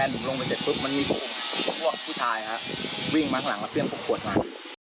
วิ่งมาข้างหลังและเตรียมปวดมาก